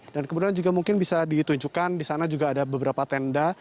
dan kemudian juga mungkin bisa ditunjukkan di sana juga ada beberapa tenda